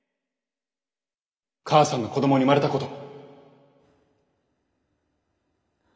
母さんの子供に生まれたこと。